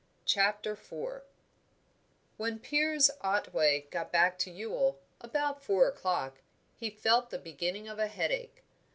CHAPTER IV When Piers Otway got back to Ewell, about four o'clock, he felt the beginning of a headache.